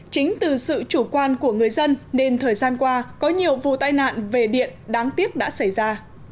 chính từ sự chủ quan của người dân nên thời gian qua có nhiều vụ tai nạn về điện đáng tiếc đã xảy ra